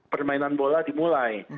permainan bola dimulai